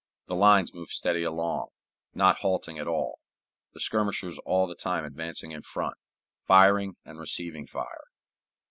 The lines moved steadily along, not halting at all, the skirmishers all the time advancing in front, firing and receiving fire.